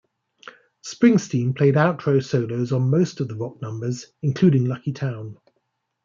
Springsteen played outro solos on most of the rock numbers, including "Lucky Town".